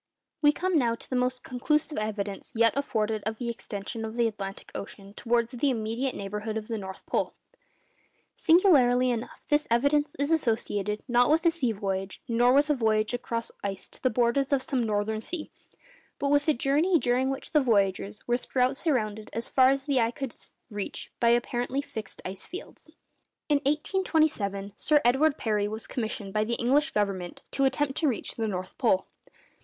We come now to the most conclusive evidence yet afforded of the extension of the Atlantic Ocean towards the immediate neighbourhood of the North Pole. Singularly enough, this evidence is associated not with a sea voyage, nor with a voyage across ice to the borders of some northern sea, but with a journey during which the voyagers were throughout surrounded as far as the eye could reach by apparently fixed ice fields. In 1827 Sir Edward Parry was commissioned by the English Government to attempt to reach the North Pole.